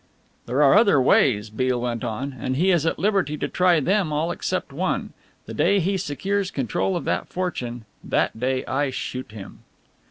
"There are other ways," Beale went on, "and he is at liberty to try them all except one. The day he secures control of that fortune, that day I shoot him."